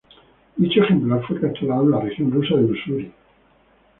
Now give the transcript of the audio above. Dicho ejemplar fue capturado en la región rusa de Ussuri.